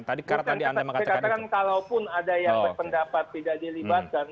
saya katakan kalaupun ada yang berpendapat tidak dilibatkan